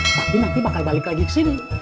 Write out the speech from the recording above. tapi nanti bakal balik lagi ke sini